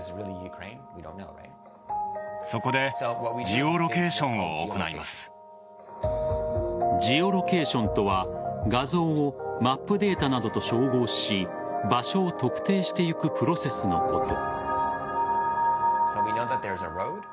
ジオロケーションとは画像をマップデータなどと照合し場所を特定していくプロセスのこと。